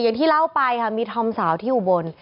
อย่างที่เล่าไปค่ะมีธอมสาวที่อุบล